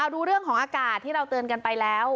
ดูเรื่องของอากาศที่เราเตือนกันไปแล้ว